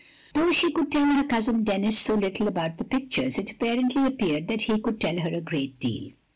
" Though she could tell her cousin Denis so little about the pictures, it presently appeared that he could tell her a great deal.